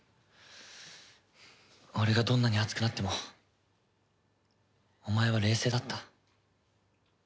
俺がどんなに熱くなってもお前は冷静だった。